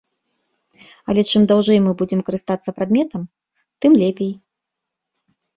Але чым даўжэй мы будзем карыстацца прадметам, тым лепей.